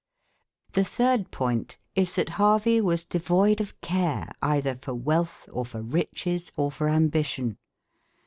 The third point is that Harvey was devoid of care either for wealth, or for riches, or for ambition.